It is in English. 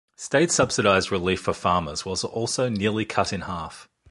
State subsidized relief for farmers was also nearly cut in half.